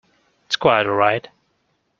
It's quite all right.